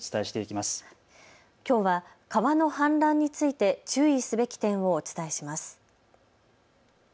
きょうは川の氾濫について注意すべき点をお伝えします。